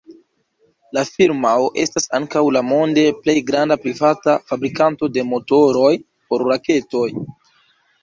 La firmao estas ankaŭ la monde plej granda privata fabrikanto de motoroj por raketoj.